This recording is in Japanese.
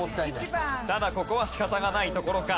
だがここは仕方がないところか。